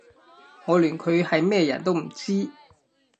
我連佢係咩人都唔知